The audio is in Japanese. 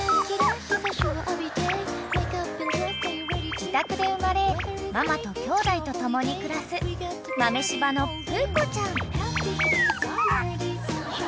［自宅で生まれママときょうだいと共に暮らす豆柴のぷーこちゃん］